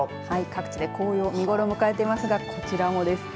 各地で紅葉見頃を迎えていますがこちらもです。